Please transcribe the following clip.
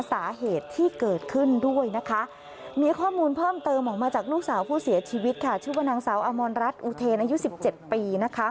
ชื่อว่านางสาวอมรรณรัฐอุเทย์อายุ๑๗ปี